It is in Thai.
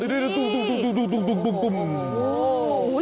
ดูโหมีอะไรดูอลังการเนอะ